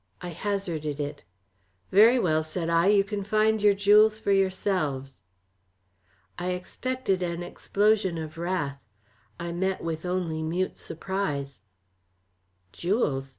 I hazarded it. "Very well," said I. "You can find your jewels for yourselves." I expected an explosion of wrath; I met with only mute surprise. "Jewels!"